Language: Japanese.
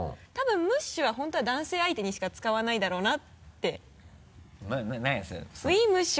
多分「ムッシュ」は本当は男性相手にしか使わないだろうなって。